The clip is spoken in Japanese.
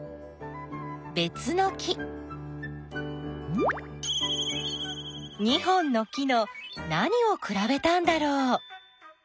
２本の木の何をくらべたんだろう？